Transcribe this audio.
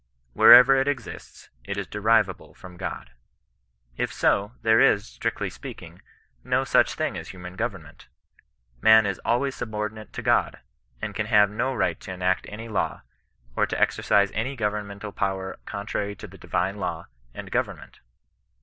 Wherever it exists, it is derivable from God. If so, there is, strictly sj^eaking, no such thing as hiunan govern ment. Man is always subordinate to God, and can have CHRISTIAN NON BESISTAKOE. 63 no right to enact any law, or to exercise any govern mental power contrary to the divine law and govern ment.